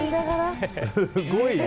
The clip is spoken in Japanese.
すごいね。